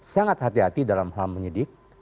sangat hati hati dalam hal menyidik